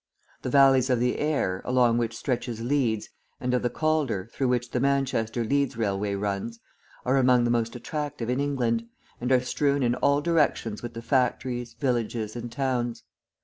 The valleys of the Aire, along which stretches Leeds, and of the Calder, through which the Manchester Leeds railway runs, are among the most attractive in England, and are strewn in all directions with the factories, villages, and towns.